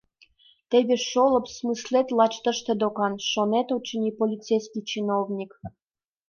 «Теве шолып смыслет лач тыште докан, — шонен, очыни, полицейский чиновник.